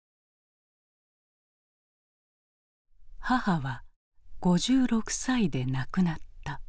母は５６歳で亡くなった。